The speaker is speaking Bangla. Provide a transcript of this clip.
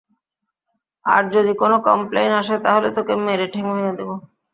আর যদি তোর কোন কমপ্লেইন্ট আসে তাহলে তোকে মেরে ঠ্যাং ভেঙে দিব।